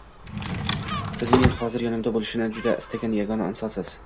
Siz, men hozir yonimda bo‘lishini juda istagan yagona insonsiz.